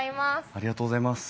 ありがとうございます。